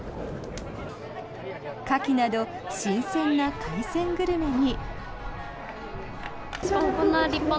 カキなど新鮮な海鮮グルメに。